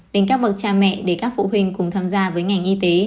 đến các bậc cha mẹ để các phụ huynh cùng tham gia với ngành y tế